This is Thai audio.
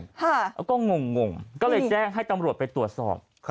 แล้วก็งงก็เลยแจ้งให้ตำรวจไปตรวจสอบ